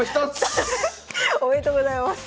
おめでとうございます。